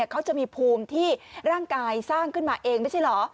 เขาจะมีภูมิที่ร่างกายสร้างขึ้นมาเองไม่ใช่เหรอ